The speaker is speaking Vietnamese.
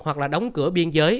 hoặc là đóng cửa biên giới